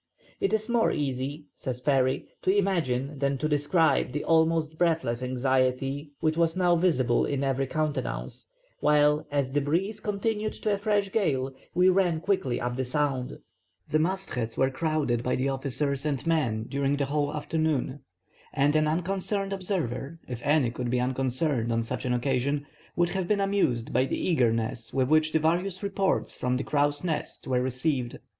"It is more easy," says Parry, "to imagine than to describe the almost breathless anxiety which was now visible in every countenance, while, as the breeze continued to a fresh gale, we ran quickly up the sound. The mast heads were crowded by the officers and men during the whole afternoon; and an unconcerned observer, if any could have been unconcerned on such an occasion, would have been amused by the eagerness with which the various reports from the crow's nest were received; all, however, hitherto favourable to our most sanguine hopes."